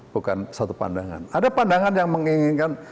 bukan satu pandangan ada pandangan yang menginginkan